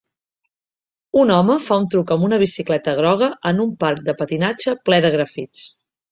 Un home fa un truc amb una bicicleta groga en un parc de patinatge ple de grafits.